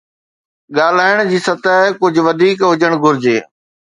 ڳالهائڻ جي سطح ڪجهه وڌيڪ هجڻ گهرجي.